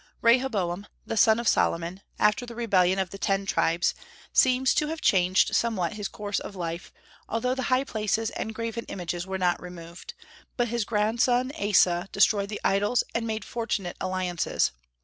Rehoboam, the son of Solomon, after the rebellion of the ten tribes, seems to have changed somewhat his course of life, although the high places and graven images were not removed; but his grandson Asa destroyed the idols, and made fortunate alliances.